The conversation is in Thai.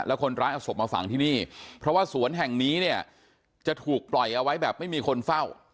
แล้วคนร้ายเอาศพมาฝังที่นี่เพราะว่าสวนแห่งนี้เนี่ยจะถูกปล่อยเอาไว้แบบไม่มีคนเฝ้า